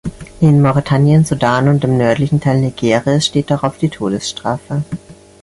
In Mauretanien, Sudan und dem nördlichen Teil Nigerias steht darauf die Todesstrafe.